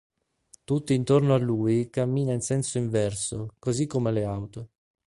Tutti intorno a lui cammina in senso inverso, così come le auto.